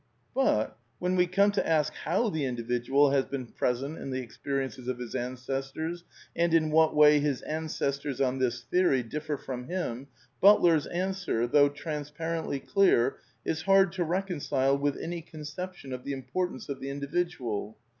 ^^ But when we come to ask how the Individual has been present in the experiences of his ancestors, and in what way his ancestors, on this theory, differ from him, Butler's answer, though transparently clear, is hard to reconcile with any conception of the importance of the Individual, i !